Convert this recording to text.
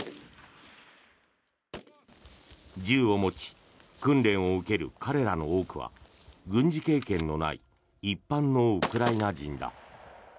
銃を持ち、訓練を受ける彼らの多くは軍事経験のない一般のウクライナ人だ。